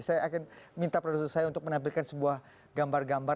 saya akan minta produser saya untuk menampilkan sebuah gambar gambar